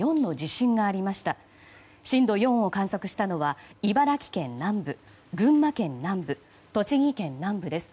震度４を観測したのは茨城県南部、群馬県南部栃木県南部です。